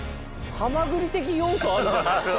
ハマグリ的要素あるじゃないですか。